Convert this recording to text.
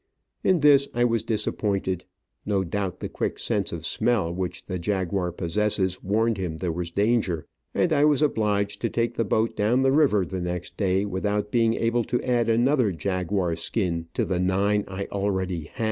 In this I was disappointed — no doubt, the quick sense of smell which the jaguar possesses warned him there was danger — and I was obliged to take the boat down the river the next day without being able to add another jaguar s skin to the nine I had already.